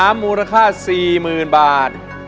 มูลค่าสี่หมื่นบาท